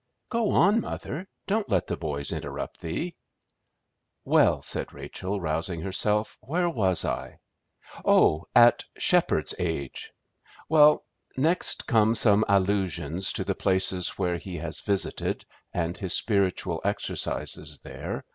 "Go on, mother. Don't let the boys interrupt thee!" "Well," said Rachel, rousing herself, "where was I? Oh, 'At Sheppard's age'! Well, next come some allusions to the places where he has visited and his spiritual exercises there.